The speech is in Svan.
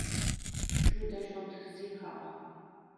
ჩუ დეშ ოთზიჰახ.